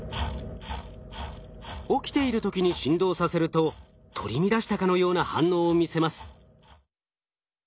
起きている時に振動させると取り乱したかのような反応を見せます。